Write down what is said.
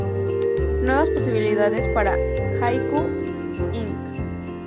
Nuevas posibilidades para Haiku, Inc.